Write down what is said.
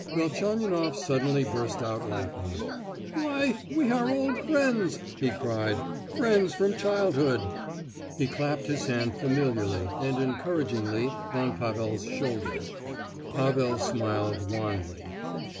Velchaninoff suddenly burst out laughing. "Why, we are old friends"—he cried, "friends from childhood!" He clapped his hand familiarly and encouragingly on Pavel's shoulder. Pavel smiled wanly.